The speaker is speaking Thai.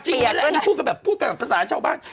จริงนี่พูดกับภาษาชาวบาล